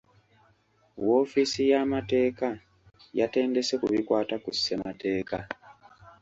Woofiisi y'amateeka yatendese ku bikwata ku ssemateeka.